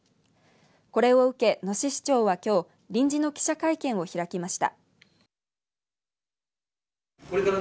これを受け野志市長はきょう臨時の記者会見を開きました。